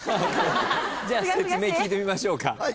じゃあ説明聞いてみましょうか。